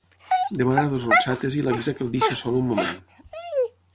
Demana dues orxates i l'avisa que el deixa sol un moment.